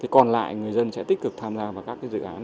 còn lại người dân sẽ tích cực tham gia vào các dự án